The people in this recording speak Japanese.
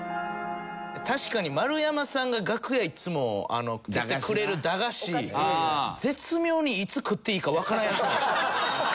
確かに丸山さんが楽屋いつも絶対くれる駄菓子絶妙にいつ食っていいかわからんやつなんですよ。